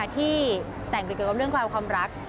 ที่แต่งกับเรื่องความรัก